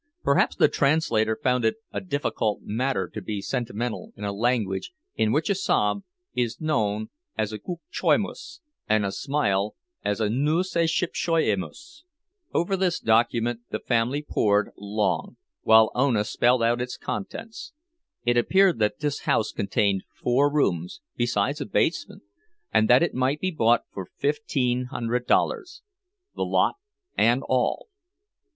Perhaps the translator found it a difficult matter to be sentimental in a language in which a sob is known as a gukcziojimas and a smile as a nusiszypsojimas. Over this document the family pored long, while Ona spelled out its contents. It appeared that this house contained four rooms, besides a basement, and that it might be bought for fifteen hundred dollars, the lot and all.